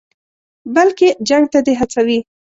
بلکې جنګ ته دې هڅوي.